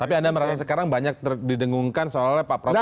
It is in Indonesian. tapi anda merasa sekarang banyak didengungkan soalnya pak prabowo